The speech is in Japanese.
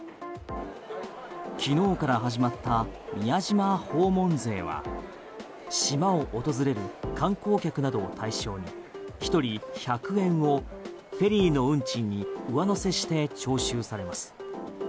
昨日から始まった宮島訪問税は島を訪れる観光客などを対象に１人１００円をフェリーの運賃に上乗せして徴収されます。